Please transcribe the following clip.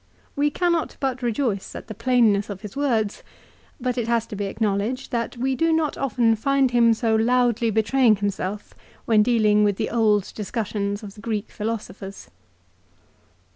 We cannot but rejoice at the plainness of his words, but it has to be acknowledged that we do not often find him so loudly betraying him self when dealing with the old discussions of the Greek philosophers.